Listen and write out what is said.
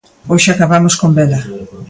Hoxe acabamos con vela.